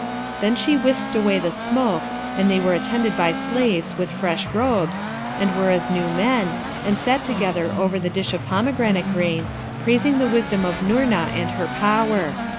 Then she whisked away the smoke, and they were attended by slaves with fresh robes, and were as new men, and sat together over the dish of pomegranate grain, praising the wisdom of Noorna and her power.